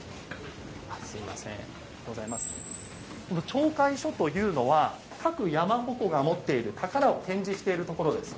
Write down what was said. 町会所というのは各山鉾が持っている宝を展示しているところです。